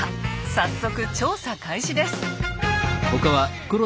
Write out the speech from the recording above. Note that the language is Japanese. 早速調査開始です。